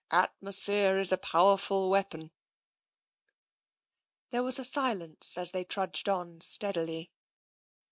" Atmosphere is a pow erful weapon/' There was a silence as they trudged on steadily.